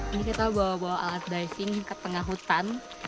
ini kita bawa bawa alat diving ke tengah hutan